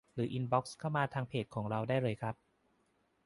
หรืออินบอกซ์เข้ามาทางเพจของเราได้เลยครับ